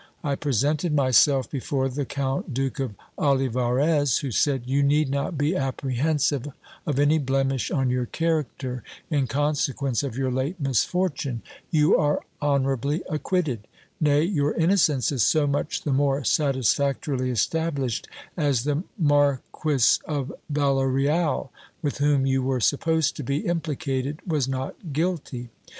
I presented myself before the Count Duke of Olivarez, who said : You need not be apprehensive of any blemish on your character in consequence of your late misfortune ; you an: honourably acquitted : nay, your innocence is so much the more satisfactorily established, as the Marquis of Villareal, with whom you were supposed to be implicated, was not guilty.